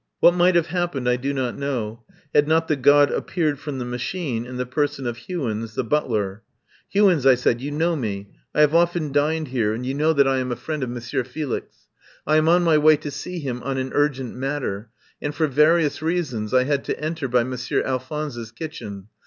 What might have happened I do not know, had not the god appeared from the machine in the person of Hewins, the butler. "Hewins," I said, "you know me. I have often dined here, and you know that I am a 182 I FIND SANCTUARY friend of Monsieur Felix. I am on my way to see him on an urgent matter, and for vari ous reasons I had to enter by Monsieur Al phonse's kitchen.